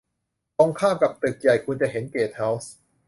ตรงข้ามกับตึกใหญ่ คุณจะเห็นเกสต์เฮาส์